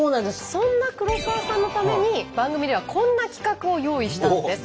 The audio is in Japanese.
そんな黒沢さんのために番組ではこんな企画を用意したんです。